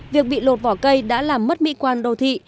việc bị lột vỏ cây đã làm mất mỹ quan đô thị